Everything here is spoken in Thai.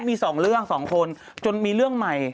มี๒เรื่อง๒คนจนมีเรื่องใหม่